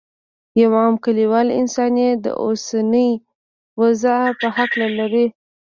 یو عام کلیوال انسان یې د اوسنۍ وضعې په هکله لري.